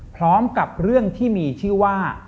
พร้อมกับเรื่องที่มีชื่อว่า